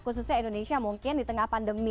khususnya indonesia mungkin di tengah pandemi